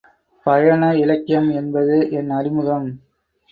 பயண இலக்கியம் என்பது என் அறிமுகம்.